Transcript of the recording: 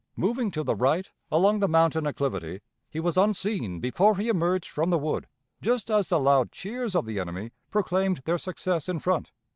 Moving to the right along the mountain acclivity, he was unseen before he emerged from the wood, just as the loud cheers of the enemy proclaimed their success in front.